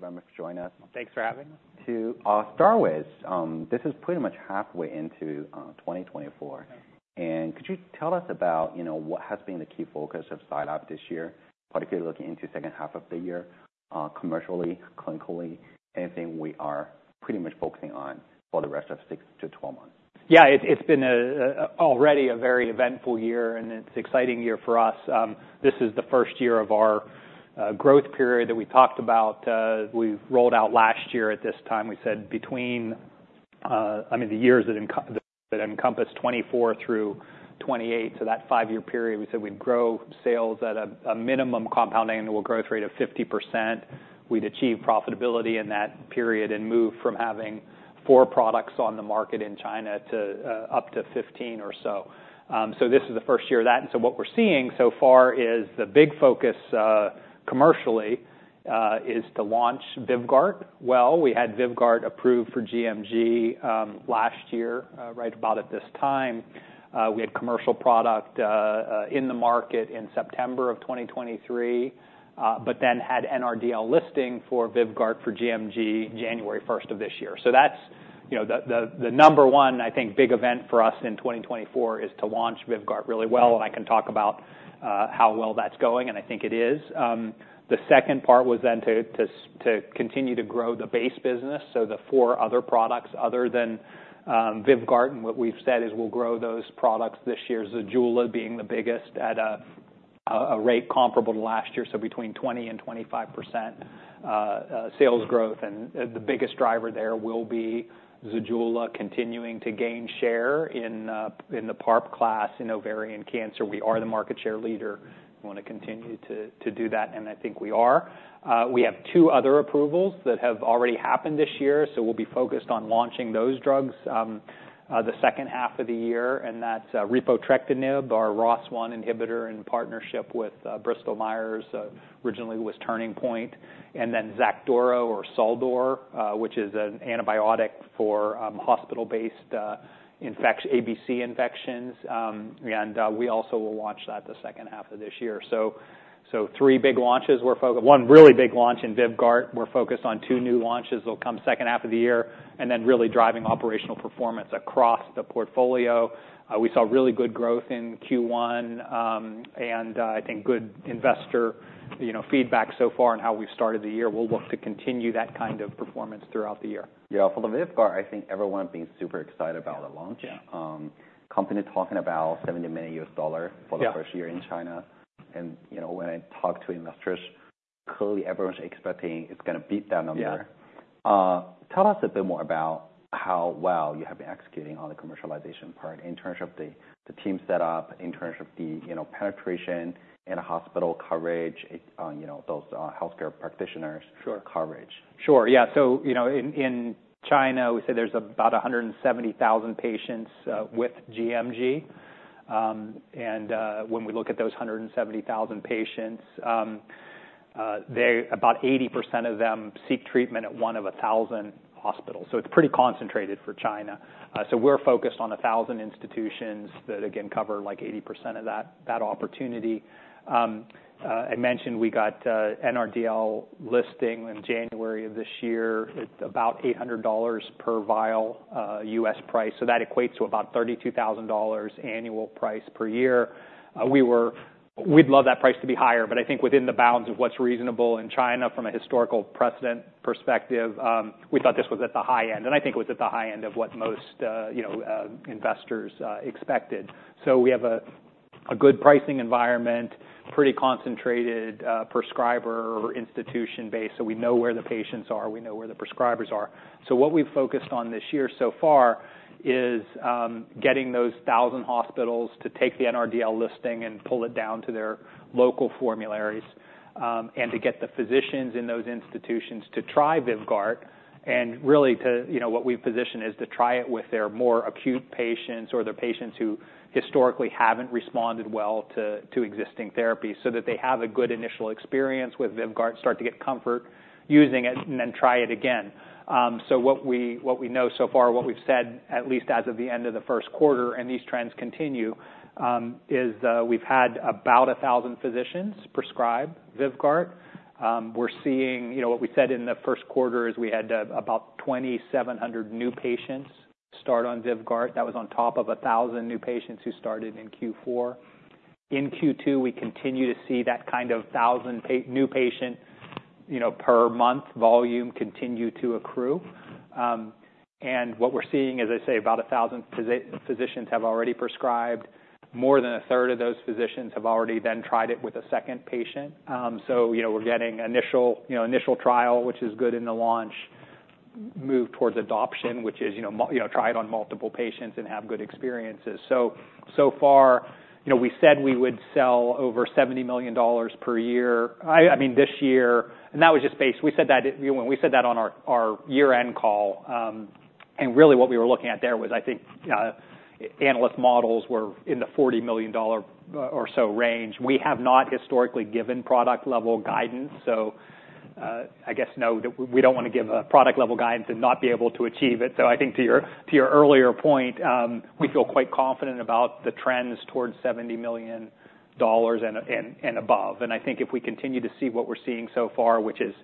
Thank you very much for joining us. Thanks for having us. To start with, this is pretty much halfway into 2024. Yeah. And could you tell us about, you know, what has been the key focus of Zai Lab this year, particularly looking into the second half of the year, commercially, clinically, anything we are pretty much focusing on for the rest of six to 12 months? Yeah, it's been a very eventful year, and it's an exciting year for us. This is the first year of our growth period that we talked about. We rolled out last year at this time. We said between, I mean, the years that encompass 2024 through 2028, so that five-year period, we said we'd grow sales at a minimum compound annual growth rate of 50%. We'd achieve profitability in that period and move from having four products on the market in China to up to 15 or so. So this is the first year of that. And so what we're seeing so far is the big focus, commercially, is to launch VYVGART. Well, we had VYVGART approved for gMG last year, right about at this time. We had commercial product in the market in September of 2023, but then had NRDL listing for VYVGART for gMG January 1st of this year. So that's, you know, the number one, I think, big event for us in 2024 is to launch VYVGART really well. And I can talk about how well that's going, and I think it is. The second part was then to continue to grow the base business, so the four other products other than VYVGART. And what we've said is we'll grow those products. This year's ZEJULA being the biggest at a rate comparable to last year, so between 20%-25% sales growth. And the biggest driver there will be ZEJULA continuing to gain share in the PARP class in ovarian cancer. We are the market share leader. We wanna continue to do that, and I think we are. We have two other approvals that have already happened this year, so we'll be focused on launching those drugs, the second half of the year. That's AUGTYRO, our ROS1 inhibitor in partnership with Bristol Myers Squibb, originally was Turning Point Therapeutics. And then XACDURO, which is an antibiotic for hospital-based Acinetobacter baumannii infections, and we also will launch that the second half of this year. So three big launches. We're focused on one really big launch in VYVGART. We're focused on two new launches. They'll come second half of the year, and then really driving operational performance across the portfolio. We saw really good growth in Q1, and I think good investor, you know, feedback so far on how we've started the year. We'll look to continue that kind of performance throughout the year. Yeah, for the VYVGART, I think everyone's been super excited about the launch. Yeah. Company talking about $70 million for the first year in China. Yeah. You know, when I talk to investors, clearly everyone's expecting it's gonna beat that number. Yeah. Tell us a bit more about how well you have been executing on the commercialization part in terms of the team setup, in terms of the, you know, penetration and hospital coverage, you know, those healthcare practitioners? Sure. Coverage. Sure, yeah. So, you know, in China, we say there's about 170,000 patients with gMG. And when we look at those 170,000 patients, about 80% of them seek treatment at one of 1,000 hospitals. So it's pretty concentrated for China. So we're focused on 1,000 institutions that, again, cover like 80% of that opportunity. I mentioned we got NRDL listing in January of this year. It's about $800 per vial, US price. So that equates to about $32,000 annual price per year. We'd love that price to be higher, but I think within the bounds of what's reasonable in China from a historical precedent perspective, we thought this was at the high end. And I think it was at the high end of what most, you know, investors expected. So we have a good pricing environment, pretty concentrated prescriber or institution base. So we know where the patients are. We know where the prescribers are. So what we've focused on this year so far is getting those 1,000 hospitals to take the NRDL listing and pull it down to their local formularies, and to get the physicians in those institutions to try VYVGART. And really to, you know, what we've positioned is to try it with their more acute patients or the patients who historically haven't responded well to existing therapies so that they have a good initial experience with VYVGART, start to get comfort using it, and then try it again. So what we know so far, what we've said, at least as of the end of the first quarter, and these trends continue, is we've had about 1,000 physicians prescribe VYVGART. We're seeing, you know, what we said in the first quarter is we had about 2,700 new patients start on VYVGART. That was on top of 1,000 new patients who started in Q4. In Q2, we continue to see that kind of 1,000 new patient, you know, per month volume continue to accrue. And what we're seeing, as I say, about 1,000 physicians have already prescribed. More than a third of those physicians have already then tried it with a second patient. So, you know, we're getting initial, you know, initial trial, which is good in the launch, move towards adoption, which is, you know, more you know, try it on multiple patients and have good experiences. So, so far, you know, we said we would sell over $70 million per year. I mean, this year, and that was just based we said that, you know, when we said that on our year-end call. And really what we were looking at there was, I think, analyst models were in the $40 million or so range. We have not historically given product-level guidance. So, I guess, no, that we don't wanna give a product-level guidance and not be able to achieve it. So I think to your earlier point, we feel quite confident about the trends towards $70 million and above. And I think if we continue to see what we're seeing so far, which is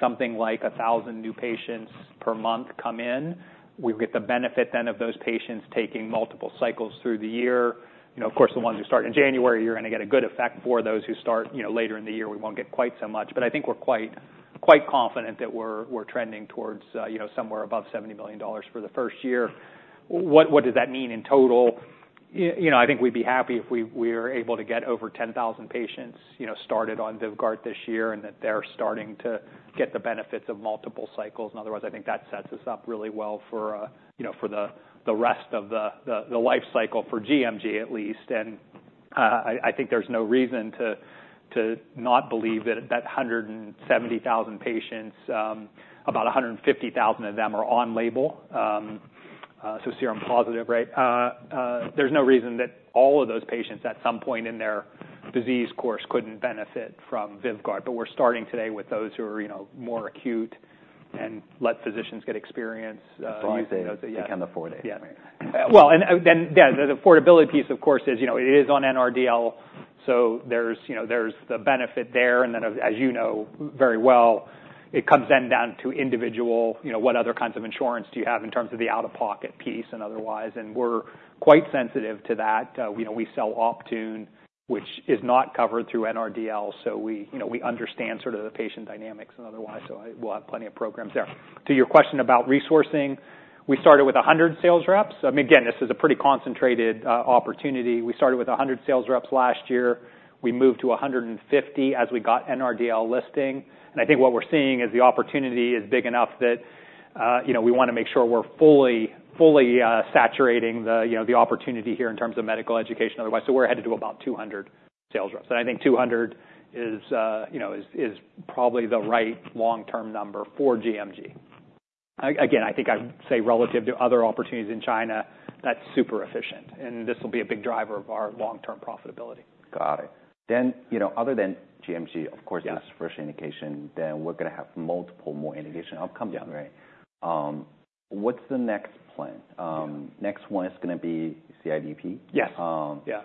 something like 1,000 new patients per month come in, we'll get the benefit then of those patients taking multiple cycles through the year. You know, of course, the ones who start in January, you're gonna get a good effect for. Those who start, you know, later in the year, we won't get quite so much. But I think we're quite confident that we're trending towards, you know, somewhere above $70 million for the first year. What, what does that mean in total? You know, I think we'd be happy if we were able to get over 10,000 patients, you know, started on VYVGART this year and that they're starting to get the benefits of multiple cycles. In other words, I think that sets us up really well for, you know, for the rest of the life cycle for gMG at least. And I think there's no reason to not believe that 170,000 patients, about 150,000 of them are on label, so serum positive, right? There's no reason that all of those patients at some point in their disease course couldn't benefit from VYVGART. But we're starting today with those who are, you know, more acute and let physicians get experience, and those. For these days. Yeah. They can't afford it. Yeah. Right. Well, and then yeah, the affordability piece, of course, is, you know, it is on NRDL, so there's, you know, there's the benefit there. And then, as, as you know very well, it comes then down to individual, you know, what other kinds of insurance do you have in terms of the out-of-pocket piece and otherwise. And we're quite sensitive to that. You know, we sell OPTUNE, which is not covered through NRDL, so we, you know, we understand sort of the patient dynamics and otherwise. So, we'll have plenty of programs there. To your question about resourcing, we started with 100 sales reps. I mean, again, this is a pretty concentrated opportunity. We started with 100 sales reps last year. We moved to 150 as we got NRDL listing. I think what we're seeing is the opportunity is big enough that, you know, we wanna make sure we're fully, fully, saturating the, you know, the opportunity here in terms of medical education otherwise. So we're headed to about 200 sales reps. And I think 200 is, you know, is, is probably the right long-term number for gMG. Again, I think I'd say relative to other opportunities in China, that's super efficient. And this will be a big driver of our long-term profitability. Got it. Then, you know, other than gMG, of course. Yeah. This first indication, then we're gonna have multiple more indication outcomes then, right? What's the next plan? Yeah. Next one is gonna be CIDP. Yes. Yeah.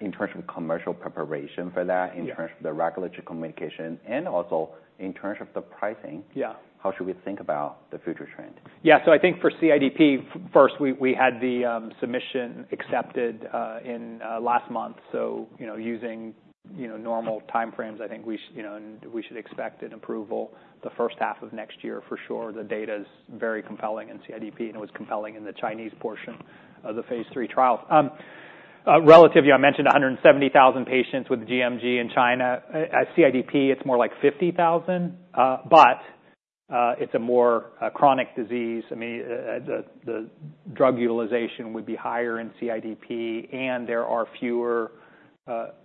In terms of commercial preparation for that. Yeah. In terms of the regulatory communication and also in terms of the pricing. Yeah. How should we think about the future trend? Yeah, so I think for CIDP first, we had the submission accepted in last month. So, you know, using normal time frames, I think we, you know, and we should expect an approval the first half of next year for sure. The data's very compelling in CIDP, and it was compelling in the Chinese portion of the phase III trials. Relatively, I mentioned 170,000 patients with gMG in China. At CIDP, it's more like 50,000, but it's a more chronic disease. I mean, the drug utilization would be higher in CIDP, and there are fewer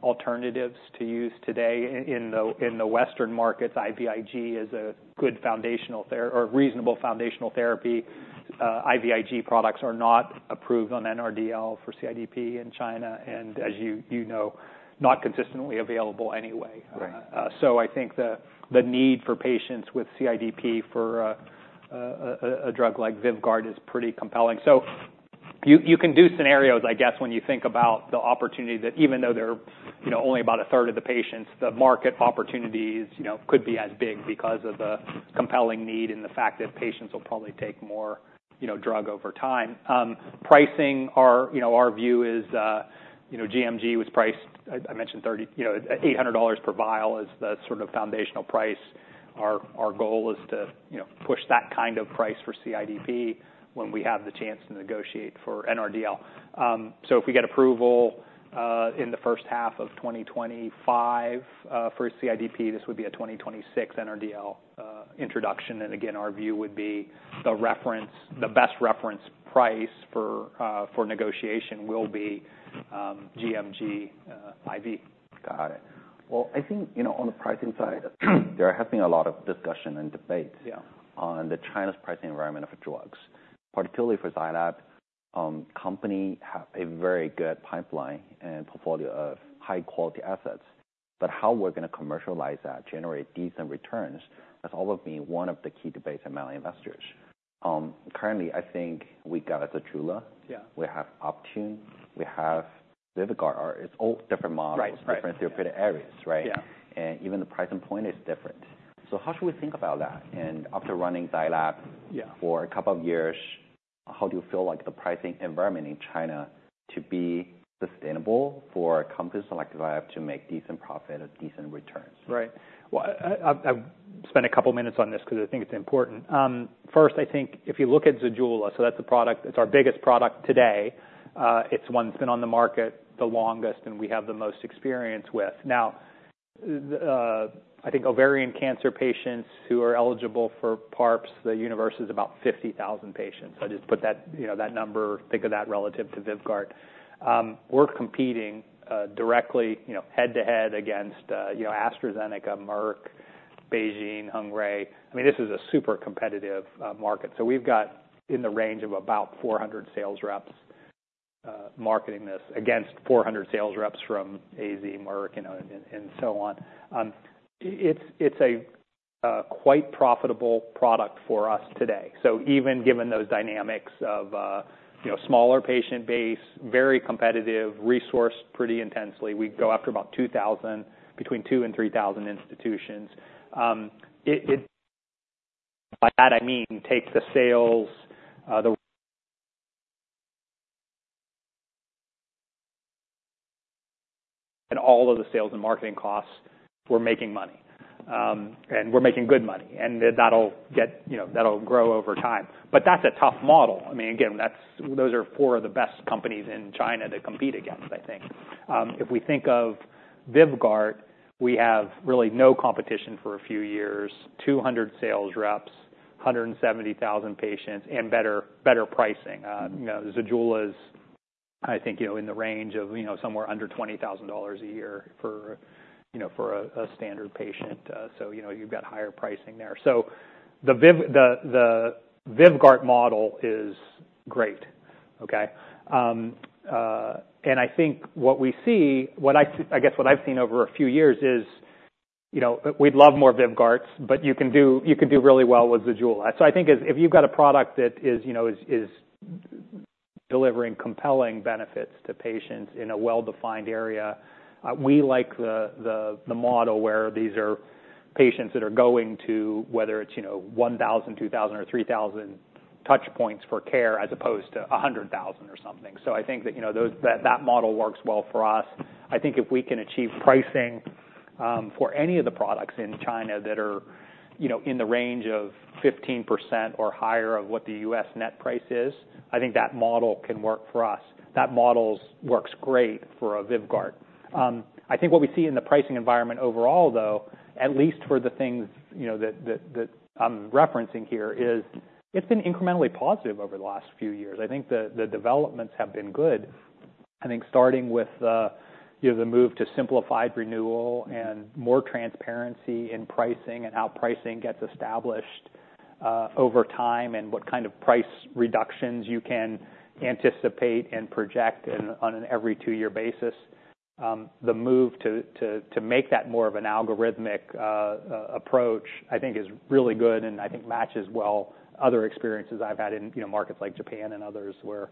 alternatives to use today in the Western markets. IVIG is a good foundational therapy or a reasonable foundational therapy. IVIG products are not approved on NRDL for CIDP in China, and as you know, not consistently available anyway. Right. So I think the need for patients with CIDP for a drug like VYVGART is pretty compelling. So you can do scenarios, I guess, when you think about the opportunity that even though they're, you know, only about a third of the patients, the market opportunities, you know, could be as big because of the compelling need and the fact that patients will probably take more, you know, drug over time. Pricing, our, you know, our view is, you know, gMG was priced. I mentioned 30, you know, $800 per vial is the sort of foundational price. Our goal is to, you know, push that kind of price for CIDP when we have the chance to negotiate for NRDL. So if we get approval in the first half of 2025 for CIDP, this would be a 2026 NRDL introduction. And again, our view would be the reference, the best reference price for, for negotiation will be, gMG, IV. Got it. Well, I think, you know, on the pricing side, there has been a lot of discussion and debate. Yeah. On China's pricing environment of drugs, particularly for Zai Lab, company have a very good pipeline and portfolio of high-quality assets. But how we're gonna commercialize that, generate decent returns, has always been one of the key debates among investors. Currently, I think we got a ZEJULA. Yeah. We have OPTUNE. We have VYVGART. Or it's all different models. Right, right. Different therapeutic areas, right? Yeah. Even the pricing point is different. How should we think about that? After running Zai Lab. Yeah. For a couple of years, how do you feel like the pricing environment in China to be sustainable for companies like Zai Lab to make decent profit or decent returns? Right. Well, I've spent a couple of minutes on this 'cause I think it's important. First, I think if you look at ZEJULA, so that's the product. It's our biggest product today. It's one that's been on the market the longest, and we have the most experience with. Now, I think ovarian cancer patients who are eligible for PARPs, the universe is about 50,000 patients. I just put that, you know, that number. Think of that relative to VYVGART. We're competing directly, you know, head-to-head against, you know, AstraZeneca, Merck, BeiGene, Hengrui. I mean, this is a super competitive market. So we've got in the range of about 400 sales reps marketing this against 400 sales reps from AZ, Merck, you know, and so on. It's a quite profitable product for us today. So even given those dynamics of, you know, smaller patient base, very competitive, resourced pretty intensely, we go after about 2,000, between 2 and 3,000 institutions. It, it by that I mean take the sales, the and all of the sales and marketing costs, we're making money. And we're making good money. That'll get, you know, that'll grow over time. But that's a tough model. I mean, again, that's those are four of the best companies in China to compete against, I think. If we think of VYVGART, we have really no competition for a few years, 200 sales reps, 170,000 patients, and better, better pricing. You know, ZEJULA's, I think, you know, in the range of, you know, somewhere under $20,000 a year for, you know, for a, a standard patient. So, you know, you've got higher pricing there. So the VYVGART model is great, okay? And I think what I see, I guess what I've seen over a few years is, you know, we'd love more VYVGARTs, but you can do really well with ZEJULA. So I think if you've got a product that is, you know, delivering compelling benefits to patients in a well-defined area, we like the model where these are patients that are going to, whether it's, you know, 1,000, 2,000, or 3,000 touch points for care as opposed to 100,000 or something. So I think that, you know, that model works well for us. I think if we can achieve pricing for any of the products in China that are, you know, in the range of 15% or higher of what the U.S. net price is, I think that model can work for us. That model works great for VYVGART. I think what we see in the pricing environment overall, though, at least for the things, you know, that I'm referencing here is it's been incrementally positive over the last few years. I think the developments have been good. I think starting with, you know, the move to simplified renewal and more transparency in pricing and how pricing gets established over time and what kind of price reductions you can anticipate and project and on an every two-year basis. The move to make that more of an algorithmic approach, I think, is really good and I think matches well other experiences I've had in, you know, markets like Japan and others where,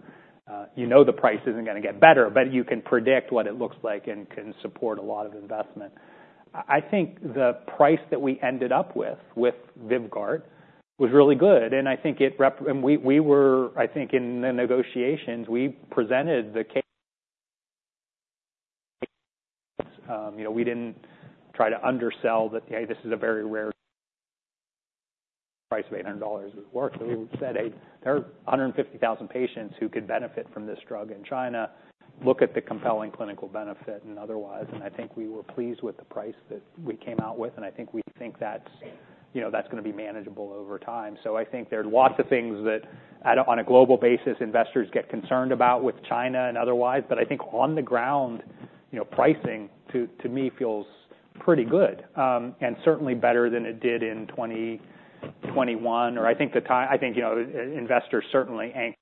you know, the price isn't gonna get better, but you can predict what it looks like and can support a lot of investment. I think the price that we ended up with VYVGART was really good. And I think it rep and we were, I think, in the negotiations, we presented the case you know, we didn't try to undersell that, hey, this is a very rare price of $800 worth. We said, hey, there are 150,000 patients who could benefit from this drug in China. Look at the compelling clinical benefit and otherwise. And I think we were pleased with the price that we came out with. And I think we think that's, you know, that's gonna be manageable over time. So I think there are lots of things that on a global basis, investors get concerned about with China and otherwise. But I think on the ground, you know, pricing to me feels pretty good, and certainly better than it did in 2021. Or I think, you know, investors certainly, and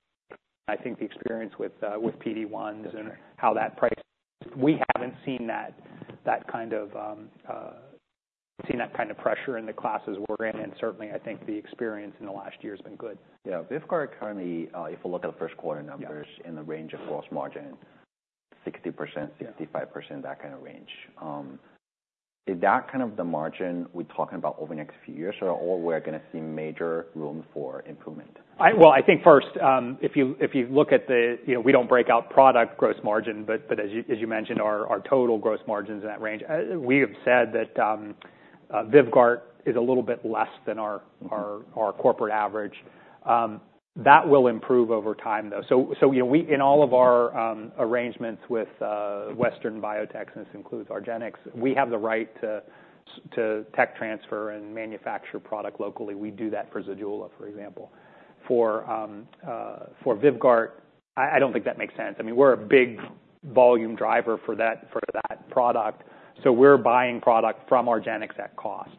I think the experience with PD1s and how that price we haven't seen that kind of pressure in the classes we're in. And certainly, I think the experience in the last year has been good. Yeah. VYVGART currently, if we look at the first quarter numbers. Yeah. In the range of gross margin, 60%. Yeah. 65%, that kind of range. Is that kind of the margin we're talking about over the next few years, or are we gonna see major room for improvement? Well, I think first, if you look at the, you know, we don't break out product gross margin, but as you mentioned, our total gross margins in that range. We have said that VYVGART is a little bit less than our. Mm-hmm. Our corporate average that will improve over time, though. So, you know, we in all of our arrangements with Western biotech, and this includes argenx, we have the right to tech transfer and manufacture product locally. We do that for ZEJULA, for example. For VYVGART, I don't think that makes sense. I mean, we're a big volume driver for that product. So we're buying product from argenx at cost.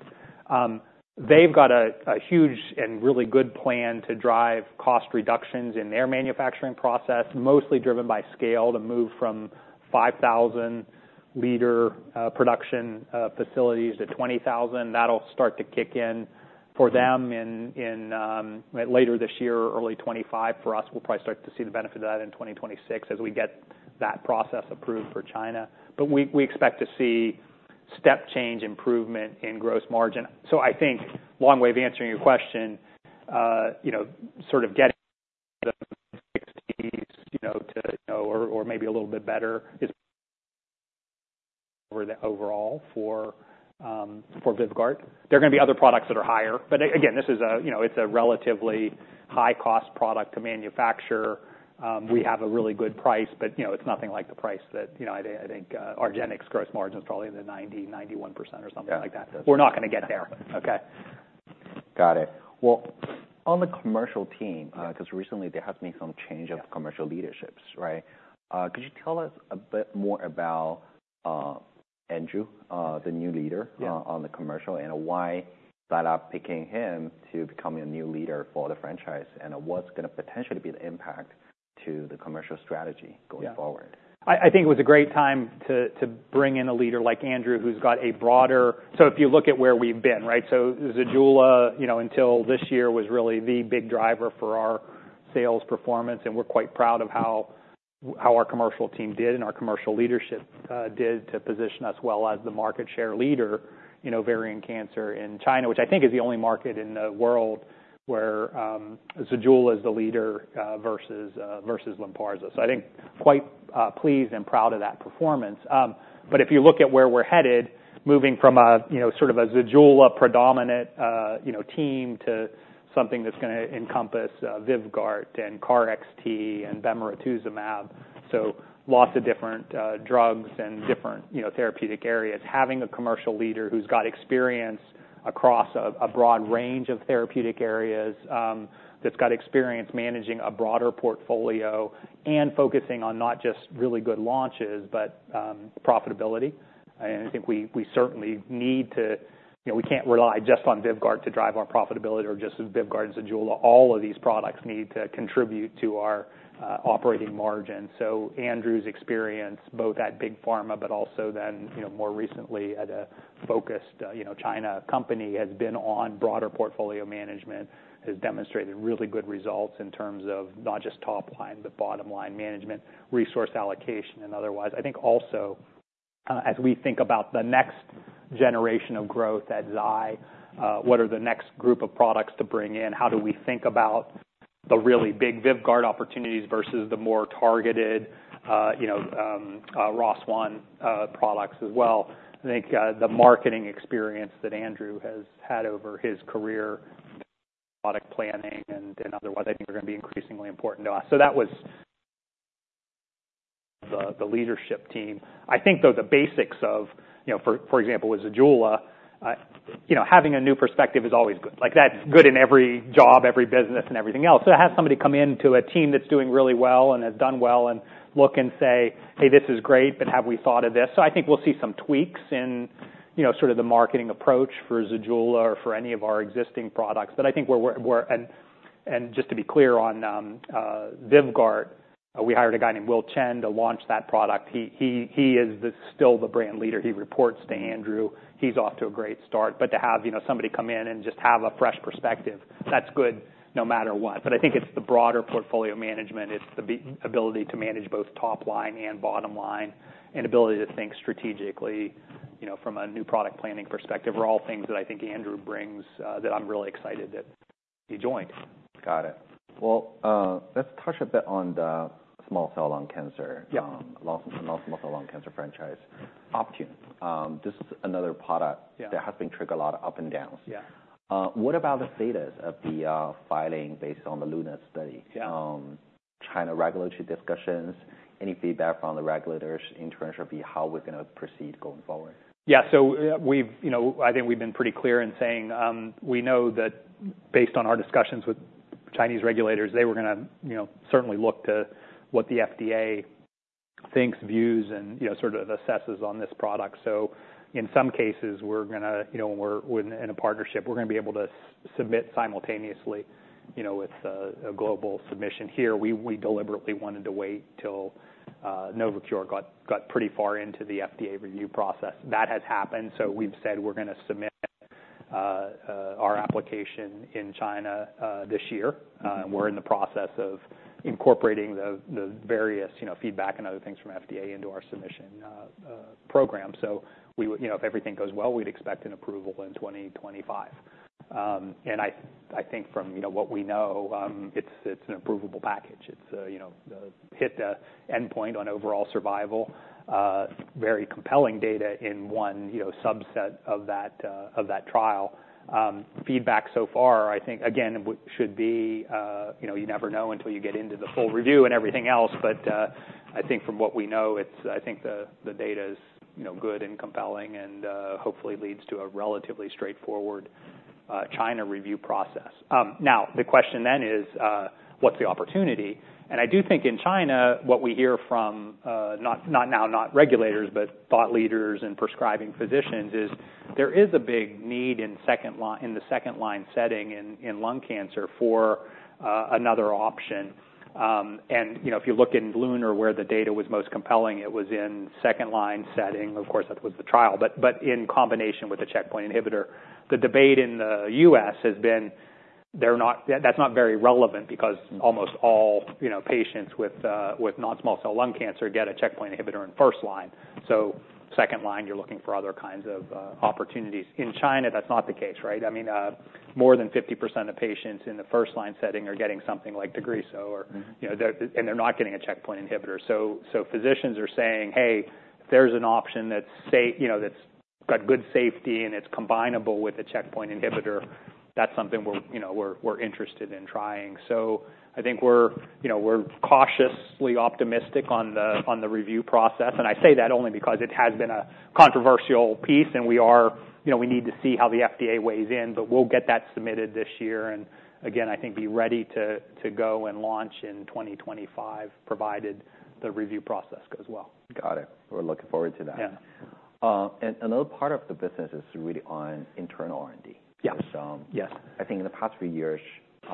They've got a huge and really good plan to drive cost reductions in their manufacturing process, mostly driven by scale to move from 5,000-liter production facilities to 20,000. That'll start to kick in for them in later this year, early 2025. For us, we'll probably start to see the benefit of that in 2026 as we get that process approved for China. But we expect to see step change improvement in gross margin. So I think long way of answering your question, you know, sort of getting the 60s, you know, to, you know, or maybe a little bit better is over the overall for VYVGART. There are gonna be other products that are higher. But again, this is a, you know, it's a relatively high-cost product to manufacture. We have a really good price, but, you know, it's nothing like the price that, you know, I think, I think, argenx gross margin's probably in the 90%-91% or something like that. Yeah. We're not gonna get there. Okay. Got it. Well, on the commercial team, 'cause recently there has been some change of commercial leaderships, right? Could you tell us a bit more about, Andrew, the new leader. Yeah. On the commercial and why Zai Lab picking him to become a new leader for the franchise and what's gonna potentially be the impact to the commercial strategy going forward? Yeah. I think it was a great time to bring in a leader like Andrew who's got a broader so if you look at where we've been, right, so ZEJULA, you know, until this year was really the big driver for our sales performance. And we're quite proud of how our commercial team did and our commercial leadership did to position us well as the market share leader, you know, ovarian cancer in China, which I think is the only market in the world where ZEJULA is the leader, versus Lynparza. So I think, quite pleased and proud of that performance. but if you look at where we're headed, moving from a, you know, sort of a ZEJULA predominant, you know, team to something that's gonna encompass, VYVGART and KarXT and bemarituzumab, so lots of different, drugs and different, you know, therapeutic areas, having a commercial leader who's got experience across a broad range of therapeutic areas, that's got experience managing a broader portfolio and focusing on not just really good launches, but profitability. And I think we certainly need to, you know, we can't rely just on VYVGART to drive our profitability or just VYVGART and ZEJULA. All of these products need to contribute to our operating margin. So Andrew's experience, both at Big Pharma, but also then, you know, more recently at a focused, you know, China company, has been on broader portfolio management, has demonstrated really good results in terms of not just top line, but bottom line management, resource allocation, and otherwise. I think also, as we think about the next generation of growth at Zai, what are the next group of products to bring in? How do we think about the really big VYVGART opportunities versus the more targeted, you know, ROS1, products as well? I think, the marketing experience that Andrew has had over his career product planning and otherwise, I think are gonna be increasingly important to us. So that was the leadership team. I think, though, the basics of, you know, for example, with ZEJULA, you know, having a new perspective is always good. Like, that's good in every job, every business, and everything else. So to have somebody come into a team that's doing really well and has done well and look and say, "Hey, this is great, but have we thought of this?" So I think we'll see some tweaks in, you know, sort of the marketing approach for ZEJULA or for any of our existing products. But I think we're and just to be clear on VYVGART, we hired a guy named Will Chen to launch that product. He is still the brand leader. He reports to Andrew. He's off to a great start. But to have, you know, somebody come in and just have a fresh perspective, that's good no matter what. But I think it's the broader portfolio management. It's the ability to manage both top line and bottom line and ability to think strategically, you know, from a new product planning perspective are all things that I think Andrew brings, that I'm really excited that he joined. Got it. Well, let's touch a bit on the small cell lung cancer. Yeah. long, long small cell lung cancer franchise. OPTUNE, this is another product. Yeah. That has been triggered a lot of ups and downs. Yeah. What about the status of the filing based on the LUNA study? Yeah. China regulatory discussions, any feedback from the regulators in terms of how we're gonna proceed going forward? Yeah. So, we've, you know, I think we've been pretty clear in saying, we know that based on our discussions with Chinese regulators, they were gonna, you know, certainly look to what the FDA thinks, views, and, you know, sort of assesses on this product. So in some cases, we're gonna, you know, when we're in a partnership, we're gonna be able to submit simultaneously, you know, with a global submission here. We deliberately wanted to wait till Novocure got pretty far into the FDA review process. That has happened. So we've said we're gonna submit our application in China this year. We're in the process of incorporating the various, you know, feedback and other things from FDA into our submission program. So we would, you know, if everything goes well, we'd expect an approval in 2025. I think from, you know, what we know, it's an approvable package. It's, you know, hit the endpoint on overall survival, very compelling data in one, you know, subset of that, of that trial. Feedback so far, I think, again, we should be, you know, you never know until you get into the full review and everything else. But, I think from what we know, it's, I think the, the data is, you know, good and compelling and, hopefully leads to a relatively straightforward, China review process. Now, the question then is, what's the opportunity? And I do think in China, what we hear from, not regulators, but thought leaders and prescribing physicians is there is a big need in second line in the second line setting in, in lung cancer for, another option. You know, if you look in LUNA where the data was most compelling, it was in second line setting. Of course, that was the trial. But, but in combination with the checkpoint inhibitor, the debate in the U.S. has been they're not, that's not very relevant because almost all, you know, patients with, with non-small cell lung cancer get a checkpoint inhibitor in first line. So second line, you're looking for other kinds of, opportunities. In China, that's not the case, right? I mean, more than 50% of patients in the first line setting are getting something like Tagrisso or. Mm-hmm. You know, they're not getting a checkpoint inhibitor. So physicians are saying, hey, if there's an option that's safer, you know, that's got good safety and it's combinable with a checkpoint inhibitor, that's something we're, you know, interested in trying. So I think we're, you know, cautiously optimistic on the review process. And I say that only because it has been a controversial piece, and we, you know, need to see how the FDA weighs in. But we'll get that submitted this year. And again, I think we'll be ready to go and launch in 2025, provided the review process goes well. Got it. We're looking forward to that. Yeah. Another part of the business is really on internal R&D. Yeah. Which, Yes. I think in the past few years,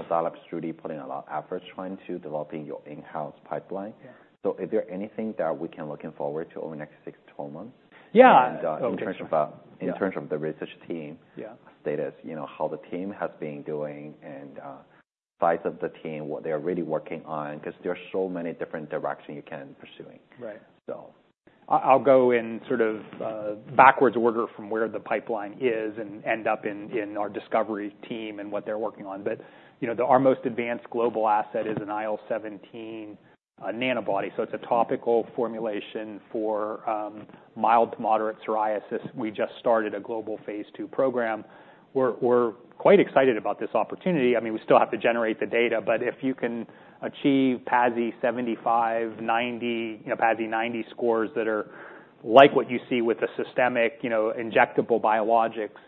Zai Lab is really putting a lot of efforts trying to developing your in-house pipeline. Yeah. Is there anything that we can look forward to over the next six to 12 months? Yeah. In terms of, Oh, yeah. In terms of the research team. Yeah. Status, you know, how the team has been doing and size of the team, what they're really working on, 'cause there are so many different directions you can pursuing. Right. So. I'll go in sort of backwards order from where the pipeline is and end up in our discovery team and what they're working on. But, you know, our most advanced global asset is an IL-17 nanobody. So it's a topical formulation for mild to moderate psoriasis. We just started a global phase II program. We're quite excited about this opportunity. I mean, we still have to generate the data, but if you can achieve PASI 75, 90, you know, PASI 90 scores that are like what you see with the systemic, you know, injectable biologics,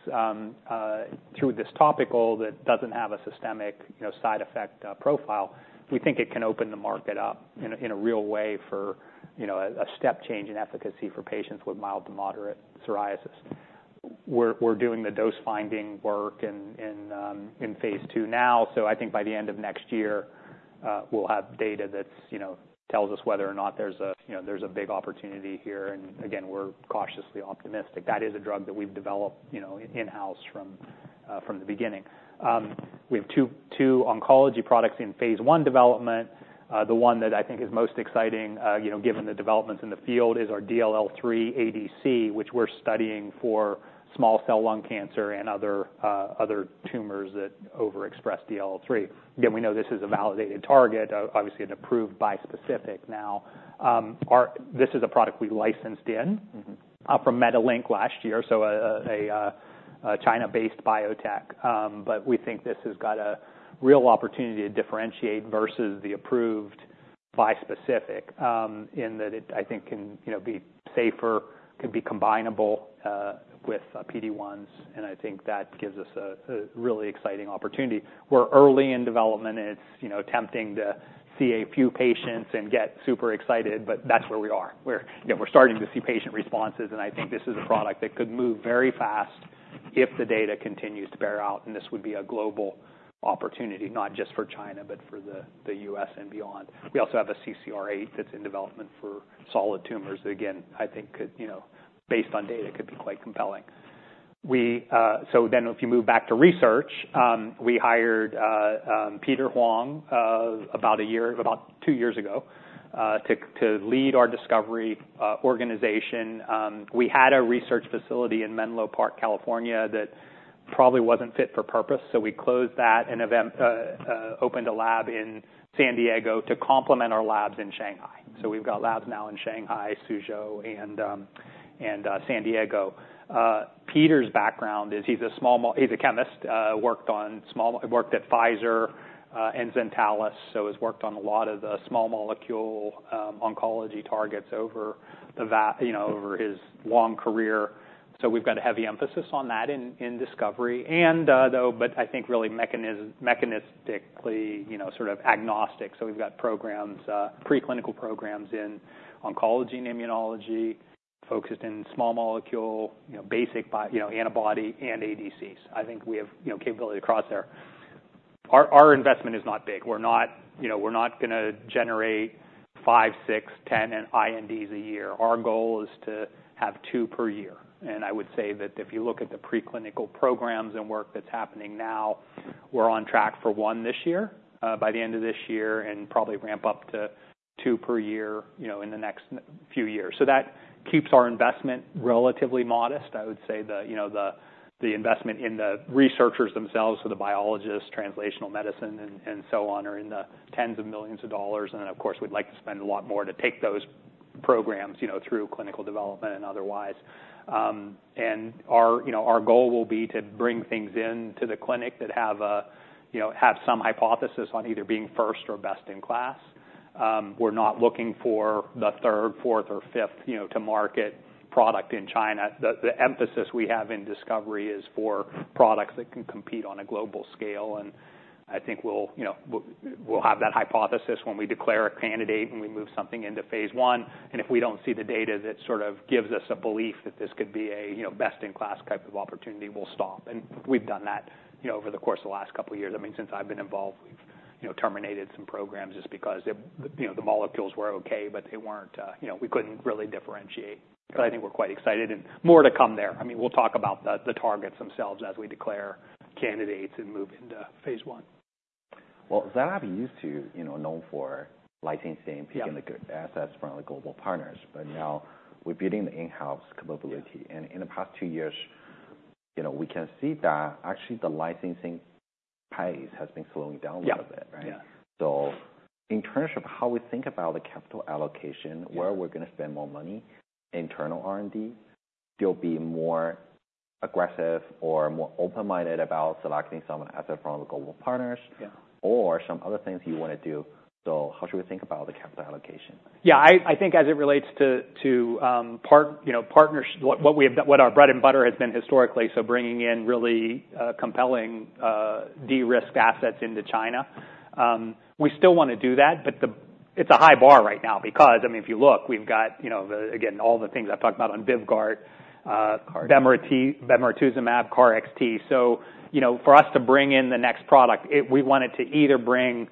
through this topical that doesn't have a systemic, you know, side effect profile, we think it can open the market up in a real way for, you know, a step change in efficacy for patients with mild to moderate psoriasis. We're doing the dose finding work in phase II now. So I think by the end of next year, we'll have data that's, you know, tells us whether or not there's a, you know, there's a big opportunity here. And again, we're cautiously optimistic. That is a drug that we've developed, you know, in-house from the beginning. We have two oncology products in phase I development. The one that I think is most exciting, you know, given the developments in the field, is our DLL3 ADC, which we're studying for small cell lung cancer and other tumors that overexpress DLL3. Again, we know this is a validated target, obviously an approved bispecific now. And this is a product we licensed in. Mm-hmm. From MediLink last year. So a China-based biotech. But we think this has got a real opportunity to differentiate versus the approved bispecific, in that it, I think, can, you know, be safer, can be combinable, with PD-1s. And I think that gives us a really exciting opportunity. We're early in development. It's, you know, tempting to see a few patients and get super excited, but that's where we are. We're, you know, we're starting to see patient responses. And I think this is a product that could move very fast if the data continues to bear out. And this would be a global opportunity, not just for China, but for the U.S. and beyond. We also have a CCR8 that's in development for solid tumors that, again, I think could, you know, based on data, could be quite compelling. So then if you move back to research, we hired Peter Huang about a year, about two years ago, to lead our discovery organization. We had a research facility in Menlo Park, California that probably wasn't fit for purpose. So we closed that and even opened a lab in San Diego to complement our labs in Shanghai. So we've got labs now in Shanghai, Suzhou, and San Diego. Peter's background is he's a small molecule chemist, worked on small molecules at Pfizer and Zentalis. So has worked on a lot of the small molecule oncology targets over the years you know, over his long career. So we've got a heavy emphasis on that in discovery. But I think really mechanistically, you know, sort of agnostic. So we've got programs, preclinical programs in oncology and immunology focused in small molecule, you know, basic bi you know, antibody and ADCs. I think we have, you know, capability to cross there. Our investment is not big. We're not, you know, we're not gonna generate five, six, 10 INDs a year. Our goal is to have two per year. And I would say that if you look at the preclinical programs and work that's happening now, we're on track for one this year, by the end of this year and probably ramp up to two per year, you know, in the next few years. So that keeps our investment relatively modest. I would say the, you know, the investment in the researchers themselves, so the biologists, translational medicine, and so on, are 10s of millions of dollars. And then, of course, we'd like to spend a lot more to take those programs, you know, through clinical development and otherwise. And our, you know, our goal will be to bring things in to the clinic that have a, you know, have some hypothesis on either being first or best in class. We're not looking for the third, fourth, or fifth, you know, to market product in China. The, the emphasis we have in discovery is for products that can compete on a global scale. And I think we'll, you know, we'll, we'll have that hypothesis when we declare a candidate and we move something into phase I. And if we don't see the data that sort of gives us a belief that this could be a, you know, best in class type of opportunity, we'll stop. And we've done that, you know, over the course of the last couple of years. I mean, since I've been involved, we've, you know, terminated some programs just because it, you know, the molecules were okay, but they weren't, you know, we couldn't really differentiate. But I think we're quite excited and more to come there. I mean, we'll talk about the, the targets themselves as we declare candidates and move into phase I. Well, Zai Lab, we used to, you know, known for licensing and picking the good assets from the global partners. But now we're building the in-house capability. And in the past two years, you know, we can see that actually the licensing pace has been slowing down a little bit, right? Yeah. Yeah. In terms of how we think about the capital allocation, where we're gonna spend more money, internal R&D, they'll be more aggressive or more open-minded about selecting some asset from the global partners. Yeah. Or some other things you wanna do. So how should we think about the capital allocation? Yeah. I think as it relates to partners, you know, what we have done, what our bread and butter has been historically, so bringing in really compelling de-risked assets into China. We still wanna do that, but it's a high bar right now because, I mean, if you look, we've got, you know, the, again, all the things I've talked about on VYVGART, KarXT. bemarituzumab, bemarituzumab, KarXT. So, you know, for us to bring in the next product, it we wanted to either bring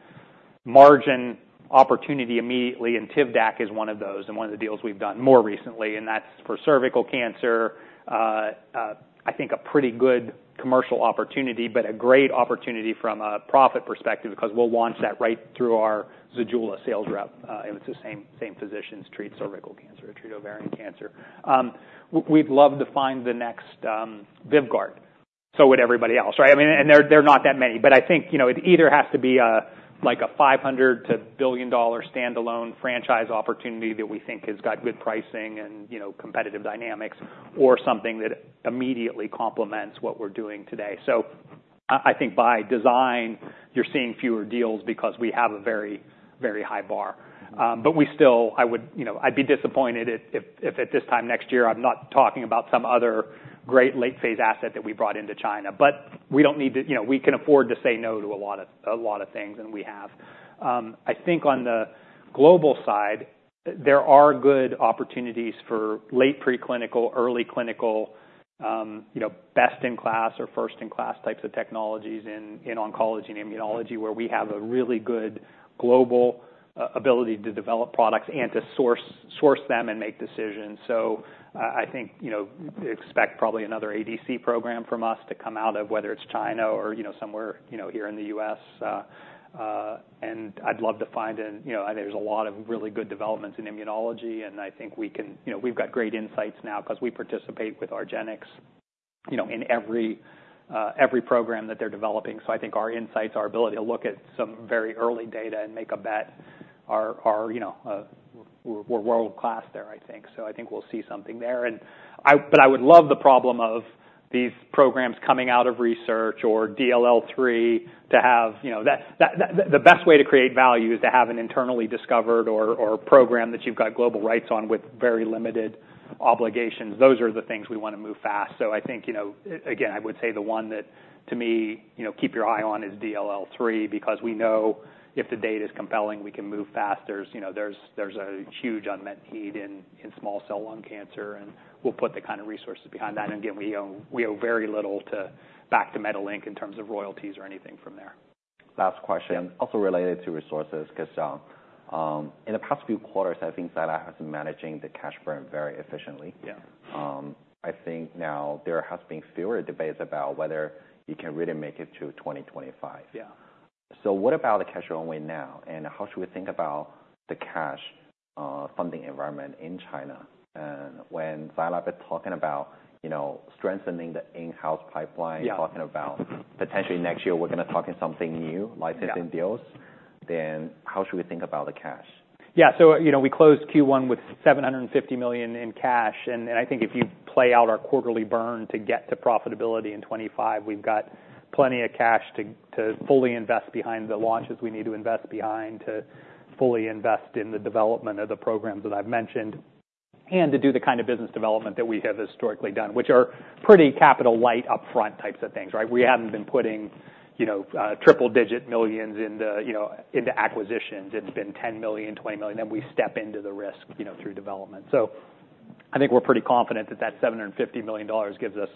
margin opportunity immediately, and TIVDAK is one of those and one of the deals we've done more recently. And that's for cervical cancer, I think a pretty good commercial opportunity, but a great opportunity from a profit perspective because we'll launch that right through our ZEJULA sales rep. It's the same, same physicians treat cervical cancer or treat ovarian cancer. We'd love to find the next, VYVGART. So would everybody else, right? I mean, and they're, they're not that many. But I think, you know, it either has to be a, like a $500 million-$1 billion standalone franchise opportunity that we think has got good pricing and, you know, competitive dynamics or something that immediately complements what we're doing today. I, I think by design, you're seeing fewer deals because we have a very, very high bar. We still, I would, you know, I'd be disappointed if, if, if at this time next year, I'm not talking about some other great late phase asset that we brought into China. We don't need to, you know, we can afford to say no to a lot of a lot of things, and we have. I think on the global side, there are good opportunities for late preclinical, early clinical, you know, best in class or first in class types of technologies in, in oncology and immunology where we have a really good global, ability to develop products and to source, source them and make decisions. So, I think, you know, expect probably another ADC program from us to come out of whether it's China or, you know, somewhere, you know, here in the U.S. And I'd love to find an, you know, there's a lot of really good developments in immunology. And I think we can, you know, we've got great insights now 'cause we participate with argenx, you know, in every program that they're developing. So I think our insights, our ability to look at some very early data and make a bet are, you know, we're world class there, I think. So I think we'll see something there. But I would love the problem of these programs coming out of research or DLL3 to have, you know, that the best way to create value is to have an internally discovered or program that you've got global rights on with very limited obligations. Those are the things we wanna move fast. So I think, you know, again, I would say the one that, to me, you know, keep your eye on is DLL3 because we know if the data is compelling, we can move faster. There's, you know, a huge unmet need in small cell lung cancer. And we'll put the kind of resources behind that. And again, we owe very little back to MediLink in terms of royalties or anything from there. Last question. Yeah. Also related to resources 'cause, in the past few quarters, I think Zai Lab has been managing the cash burn very efficiently. Yeah. I think now there has been fewer debates about whether you can really make it to 2025. Yeah. What about the cash runway now? How should we think about the cash, funding environment in China? When Zai Lab is talking about, you know, strengthening the in-house pipeline. Yeah. Talking about potentially next year, we're gonna talk in something new. Yeah. Licensing deals. Then how should we think about the cash? Yeah. So, you know, we closed Q1 with $750 million in cash. And I think if you play out our quarterly burn to get to profitability in 2025, we've got plenty of cash to fully invest behind the launches we need to invest behind, to fully invest in the development of the programs that I've mentioned, and to do the kind of business development that we have historically done, which are pretty capital light upfront types of things, right? We haven't been putting, you know, triple-digit millions into, you know, into acquisitions. It's been $10 million, $20 million. Then we step into the risk, you know, through development. So I think we're pretty confident that that $750 million gives us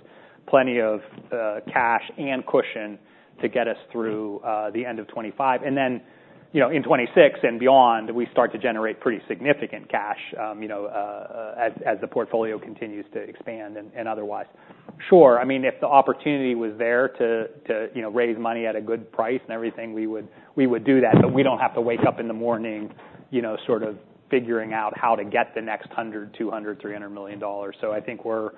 plenty of cash and cushion to get us through the end of 2025. Then, you know, in 2026 and beyond, we start to generate pretty significant cash, you know, as the portfolio continues to expand and otherwise. Sure. I mean, if the opportunity was there to you know, raise money at a good price and everything, we would do that. But we don't have to wake up in the morning, you know, sort of figuring out how to get the next $100 million, $200 million, $300 million. So I think we're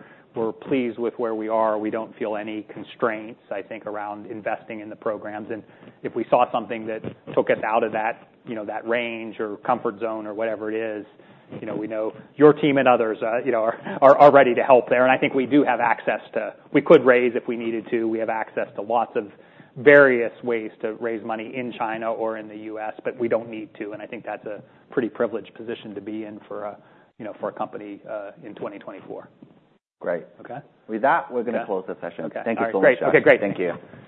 pleased with where we are. We don't feel any constraints, I think, around investing in the programs. And if we saw something that took us out of that, you know, that range or comfort zone or whatever it is, you know, we know your team and others, you know, are ready to help there. I think we do have access to. We could raise if we needed to. We have access to lots of various ways to raise money in China or in the U.S., but we don't need to. I think that's a pretty privileged position to be in for a, you know, for a company, in 2024. Great. Okay? With that, we're gonna close the session. Okay. Thank you so much, John. Okay. Great. Okay. Great. Thank you.